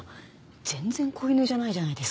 全然子犬じゃないじゃないですか。